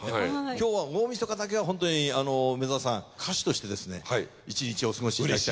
今日は大みそかだけはホントに梅沢さん歌手としてですね一日お過ごしいただきたい。